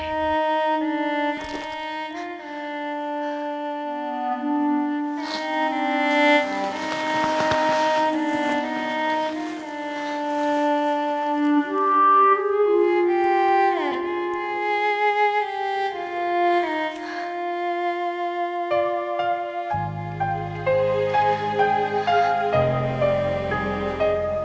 sekarang tanggal lima berarti besok tanggal enam